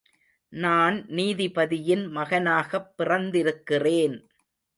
நான் நீதிபதியின் மகனாகப் பிறந்திருக்கிறேன்.